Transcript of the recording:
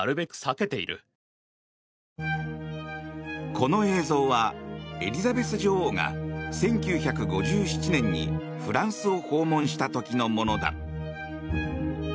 この映像は、エリザベス女王が１９５７年にフランスを訪問した時のものだ。